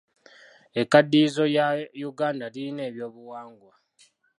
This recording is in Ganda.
Ekkaddiyizo lya Uganda lirina ebyobuwangwa.